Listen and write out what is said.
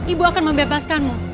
ibu akan membebaskanmu